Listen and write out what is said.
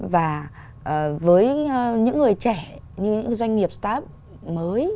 và với những người trẻ những doanh nghiệp staff mới